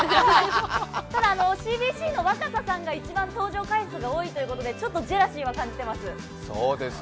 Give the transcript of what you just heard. ただ、ＣＢＣの若狭さんが一番登場回数が多いということでちょっとジェラシーは感じてます。